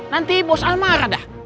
nanti bos almar ada